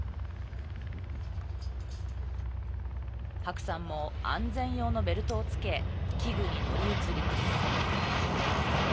白さんも安全用のベルトをつけ器具に乗り移ります。